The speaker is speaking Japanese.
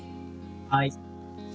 はい。